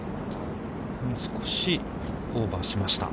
少しオーバーしました。